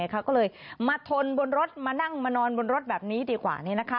ก็เลยมาทนบนรถมานั่งมานอนบนรถแบบนี้ดีกว่า